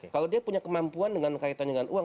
kalau dia punya kemampuan dengan kaitannya dengan uang